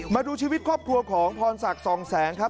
มาดูชีวิตครอบครัวของพรศักดิ์สองแสงครับ